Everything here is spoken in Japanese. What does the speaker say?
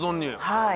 はい。